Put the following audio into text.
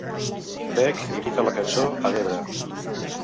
Beck imita la cançó a "Debra".